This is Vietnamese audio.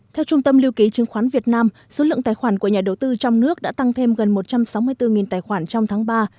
theo trung tâm lưu ký chứng khoán việt nam số lượng tài khoản của nhà đầu tư trong nước đã tăng thêm gần một trăm sáu mươi bốn tài khoản trong tháng ba